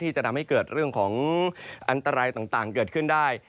จะทำให้เกิดเรื่องของอันตรายต่างเกิดขึ้นได้